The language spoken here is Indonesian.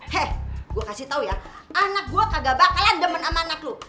hei gue kasih tau ya anak gue kagak bakalan demen sama anak lu